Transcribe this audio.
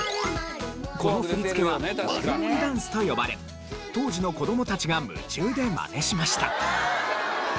この振り付けはマルモリダンスと呼ばれ当時の子供たちが夢中でマネしました。